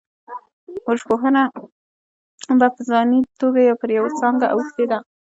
وژژبپوهنه په ځاني توګه پر یوه څانګه اوښتې ده